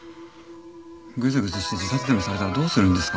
ぐずぐずして自殺でもされたらどうするんですか？